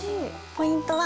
ポイントは。